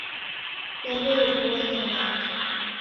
Naw'eobua nyamandu